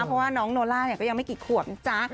เพราะว่าน้องโนล่าก็ยังไม่กี่ขวบนะจ๊ะ